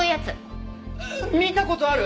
ああ見た事ある！